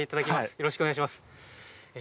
よろしくお願いします。